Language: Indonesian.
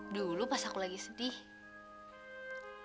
dulu pas aku lagi sedih